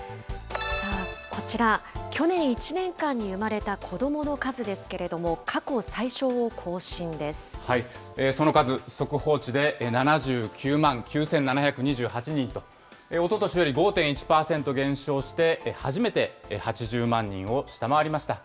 さあ、こちら、去年１年間に生まれた子どもの数ですけれども、その数、速報値で７９万９７２８人と、おととしより５．１％減少して、初めて８０万人を下回りました。